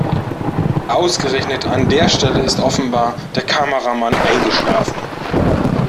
Ausgerechnet an der Stelle ist offenbar der Kameramann eingeschlafen.